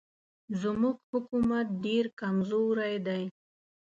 زموږ حکومت ډېر کمزوری دی.